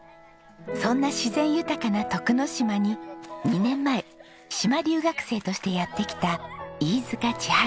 そんな自然豊かな徳之島に２年前島留学生としてやって来た飯塚千温さん。